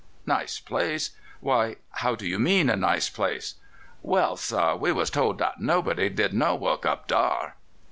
"Nice place? Why, how do you mean a nice place?" "Well, sah, we was told dat nobody did no work up dar."